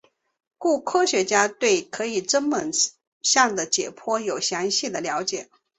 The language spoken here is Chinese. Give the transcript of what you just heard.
故科学家可以对真猛玛象的解剖有详细的了解。